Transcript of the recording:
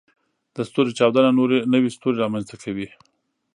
د ستوري چاودنه نوې ستوري رامنځته کوي.